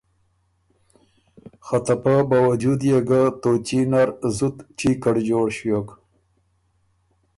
خه ته پۀ باؤجود يې ګۀ توچي نر زُت چېکړ جوړ ݭیوک